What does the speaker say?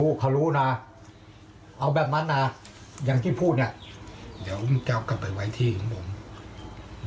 ลูกเขารู้นะเอาแบบนั้นนะอย่างที่พูดเนี้ยเดี๋ยวมึงจะเอากลับไปไว้ที่ของผม